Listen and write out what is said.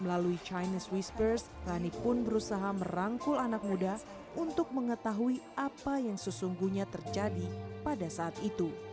melalui chinese whispers rani pun berusaha merangkul anak muda untuk mengetahui apa yang sesungguhnya terjadi pada saat itu